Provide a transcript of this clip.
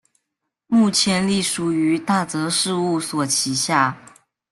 目前隶属于大泽事务所旗下。